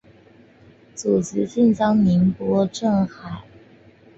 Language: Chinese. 祖籍浙江宁波镇海。